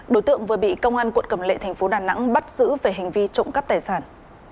đối tượng vừa bị công an quận cầm lệ thành phố đà nẵng bắt giữ về hành vi trộm cắp tài sản